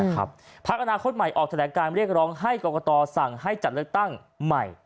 พักอนาคตใหม่ออกแถลงการเรียกร้องให้กรกตสั่งให้จัดเลือกตั้งใหม่